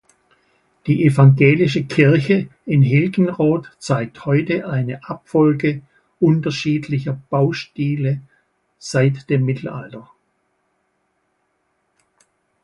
Die evangelische Kirche in Hilgenroth zeigt heute eine Abfolge unterschiedlicher Baustile seit dem Mittelalter.